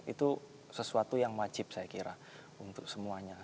itu sesuatu yang wajib saya kira untuk semuanya